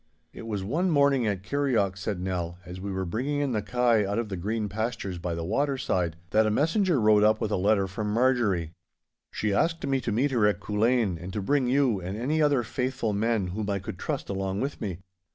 'It was one morning at Kirrieoch,' said Nell, 'as we were bringing in the kye out of the green pastures by the waterside, that a messenger rode up with a letter from Marjorie. She asked me to meet her at Culzean and to bring you and any other faithful men whom I could trust along with me.